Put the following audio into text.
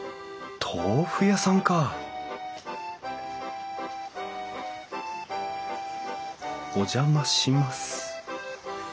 豆腐屋さんかお邪魔します